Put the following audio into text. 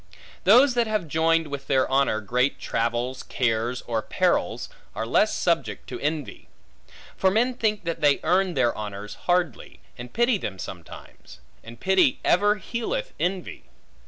Those that have joined with their honor great travels, cares, or perils, are less subject to envy. For men think that they earn their honors hardly, and pity them sometimes; and pity ever healeth envy.